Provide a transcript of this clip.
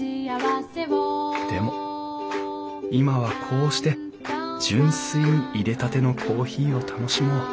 でも今はこうして純粋にいれたてのコーヒーを楽しもう